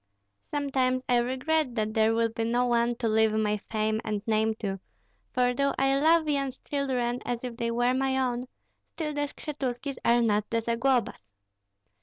Sometimes I regret that there will be no one to leave my fame and name to; for though I love Yan's children as if they were my own, still the Skshetuskis are not the Zaglobas."